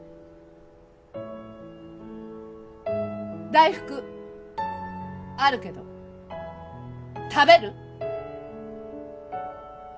大福あるけど食べる！？